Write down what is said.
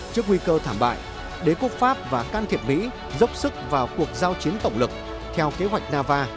trước nguy cơ thảm bại đế quốc pháp và can thiệp mỹ dốc sức vào cuộc giao chiến tổng lực theo kế hoạch nava